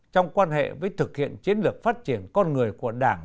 trong quan hệ với thực hiện chiến lược phát triển con người của đảng